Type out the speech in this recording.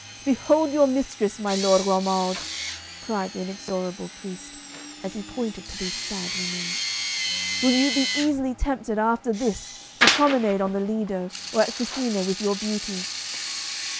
'Behold your mistress, my Lord Romuald!' cried the inexorable priest, as he pointed to these sad remains. 'Will you be easily tempted after this to promenade on the Lido or at Fusina with your beauty?